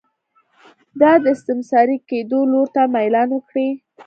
دا د استثماري کېدو لور ته میلان وکړي.